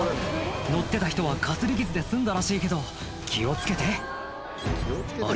乗ってた人はかすり傷で済んだらしいけど気を付けてあれ？